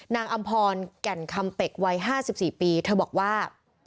อำพรแก่นคำเป็กวัย๕๔ปีเธอบอกว่า